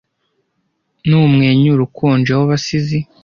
n'umwenyura ukonje w'abasizi